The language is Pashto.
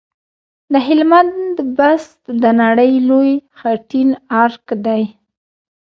د هلمند بست د نړۍ لوی خټین ارک دی